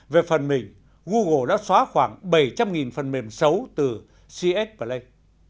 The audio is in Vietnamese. về phần mình google đã xóa khoảng bảy trăm linh phần mềm xấu từ cs play